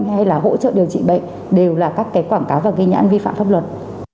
hay là hỗ trợ điều trị bệnh đều là các cái quảng cáo và ghi nhãn vi phạm pháp luật